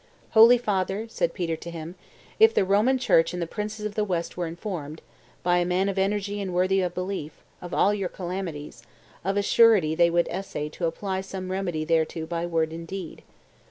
'Holy father,' said Peter to him, 'if the Roman Church and the princes of the West were informed, by a man of energy and worthy of belief, of all your calamities, of a surety they would essay to apply some remedy thereto by word and deed.